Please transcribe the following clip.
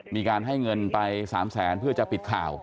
มีการให้เงินไป๓แสนเพื่อจะปิดข่าว